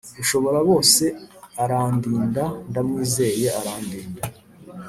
Ushobora bose arandinda ndamwizeye arandinda